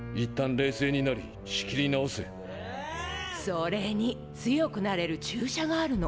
それに強くなれる注射があるの。